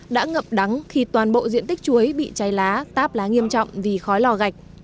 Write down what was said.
đã ngập đắng khi toàn bộ diện tích chuối bị cháy lá táp lá nghiêm trọng vì khói lò gạch